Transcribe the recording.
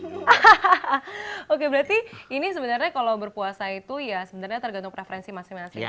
hahaha oke berarti ini sebenarnya kalau berpuasa itu ya sebenarnya tergantung preferensi masing masing ya